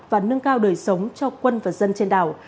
và nâng cao đời sống cho quân và dân trên đảo